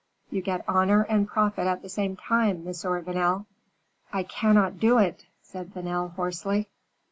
You get honor and profit at the same time, Monsieur Vanel." "I cannot do it," said Vanel, hoarsely.